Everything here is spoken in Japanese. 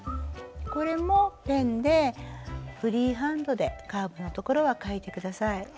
これもペンでフリーハンドでカーブの所は書いて下さい。